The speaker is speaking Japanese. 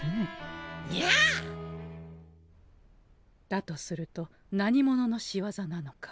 だとすると何者のしわざなのか。